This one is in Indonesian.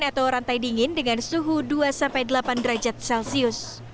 atau rantai dingin dengan suhu dua sampai delapan derajat celcius